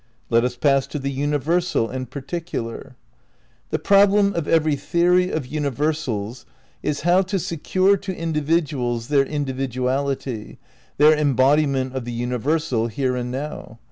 Let us pass to the Universal and Particular. The problem of every theory of universals is how to secure to individuals their individuality, their em bodiment of the universal, here and now.